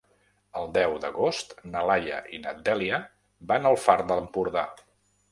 El deu d'agost na Laia i na Dèlia van al Far d'Empordà.